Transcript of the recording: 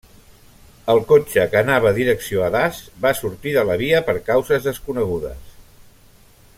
El cotxe que anava direcció a Das va sortir de la via per causes desconegudes.